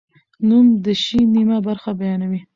نوم د شي نیمه برخه بیانوي.